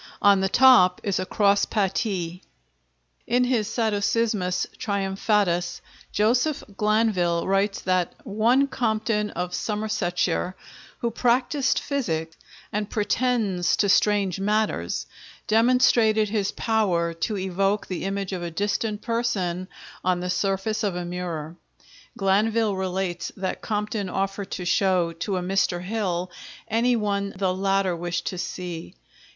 On the top is a cross patee. In his "Saducismus Triumphatus," Joseph Glanvil writes that "one Compton of Summersetshire, who practised Physick, and pretends to strange Matters," demonstrated his power to evoke the image of a distant person on the surface of a mirror. Glanvil relates that Compton offered to show to a Mr. Hill any one the latter wished to see.